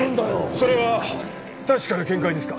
それは確かな見解ですか？